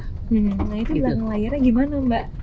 nah itu lahirnya gimana mbak